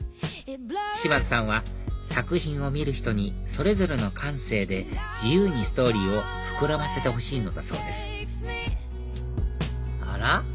島津さんは作品を見る人にそれぞれの感性で自由にストーリーを膨らませてほしいのだそうですあら？